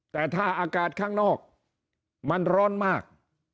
แต่ถ้าอากาศข้างนอกมันร้อนมาก